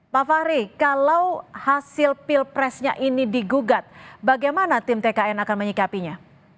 pak fahri kalau hasil pilpresnya ini digugat bagaimana tim tkn akan menyikapinya